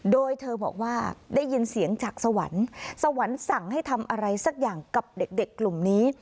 โดยเธอบอกว่าได้ยินเสียงจากสวรรค์สวรรค์สั่งให้ทำอะไรสักอย่างกับเด็กกลุ่มนี้